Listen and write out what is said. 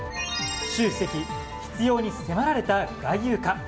習主席、必要に迫られた外遊か。